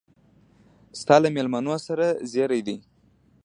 ستا له مېلمنو سره زېري دي.